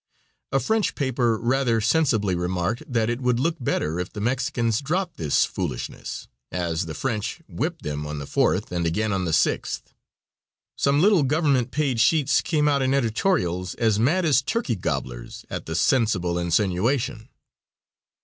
A French paper rather sensibly remarked that it would look better if the Mexicans dropped this foolishness, as the French whipped them on the 4th and again on the 6th. Some little government paid sheets came out in editorials as mad as turkey gobblers at the sensible insinuation.